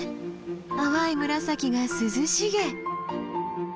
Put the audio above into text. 淡い紫が涼しげ！